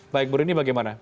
baik burini bagaimana